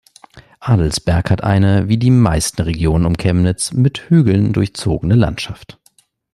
Adelsberg hat eine, wie die meisten Regionen um Chemnitz, mit Hügeln durchzogene Landschaft.